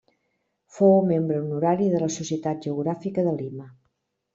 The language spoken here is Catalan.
Fou membre honorari de la Societat Geogràfica de Lima.